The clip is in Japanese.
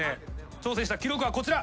挑戦した記録はこちら。